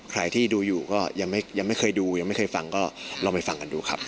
ใครที่ดูอยู่ก็ยังไม่เคยดูยังไม่เคยฟังก็ลองไปฟังกันดูครับ